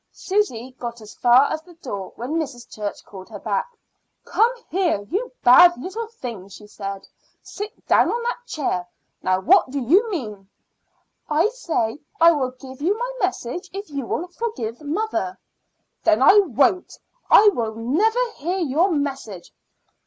Susy got as far as the door when Mrs. Church called her back. "Come here, you bad little thing," she said. "Sit down on that chair. Now, what do you mean?" "I say I will give you my message if you will forgive mother." "Then I won't. I will never hear your message."